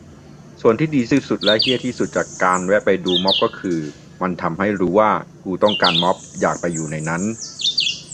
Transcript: ส่วนที่ดีที่สุดและเหี้ยที่สุดจากการแวะไปดูม็อบก็คือ มันทำให้รู้ว่ากูต้องการม็อบ อยากไปอยู่ในนั้น